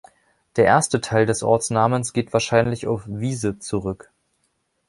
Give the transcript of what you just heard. Der erste Teil des Ortsnamens geht wahrscheinlich auf "Wiese" zurück.